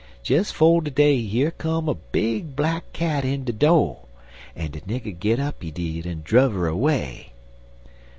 Des 'fo' day yer come a big black cat in de do', en de nigger git up, he did, en druv her away.